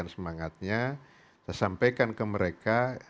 saya sampaikan ke mereka